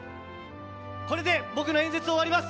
これで、僕の演説を終わります。